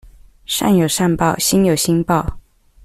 善有善報，星有星爆